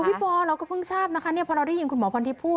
พี่ปอเราก็เพิ่งทราบนะคะพอเราได้ยินคุณหมอพรทิพย์พูด